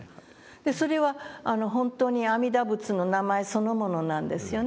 それは本当に阿弥陀仏の名前そのものなんですよね。